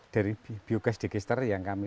dari biogas digister yang kami